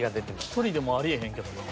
１人でもありえへんけどな。